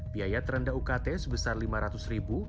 biaya terendah ukt sebesar rp lima ratus ribu